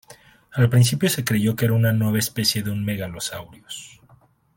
Al principio se creyó que era una nueva especie de un "Megalosaurus".